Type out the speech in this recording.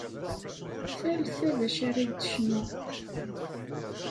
Tal ta d acu ar-ak-d tecnu!